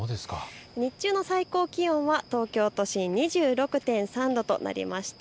日中の最高気温は東京都心２６．３度となりました。